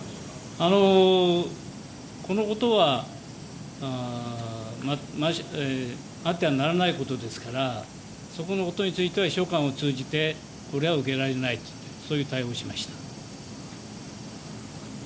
このことはあってはならないことですからそこのことについてはこれは受け入れられないとそういう対応をしました。